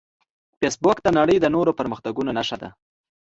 فېسبوک د نړۍ د نوو پرمختګونو نښه ده